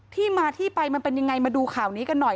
ที่มาที่ไปมันเป็นยังไงมาดูข่าวนี้กันหน่อย